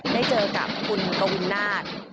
ได้เจอกับคุณกวินาศ